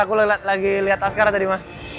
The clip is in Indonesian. aku lagi liat askara tadi ma